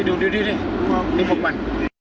ดูนี่พวกมัน